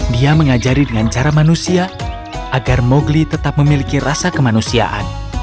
dia mengajari dengan cara manusia agar mowgli tetap memiliki rasa kemanusiaan